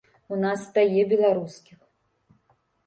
У нас стае беларускіх.